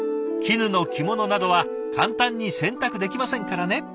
絹の着物などは簡単に洗濯できませんからね。